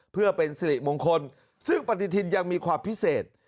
เพื่อเป็นสิริมงคลซึ่งปฏิทินยังมีความพิเศษ